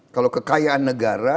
kalau kekayaan negara